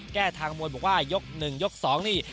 แก้ทางมวลบอกว่ายกหนึ่งยกสองนี่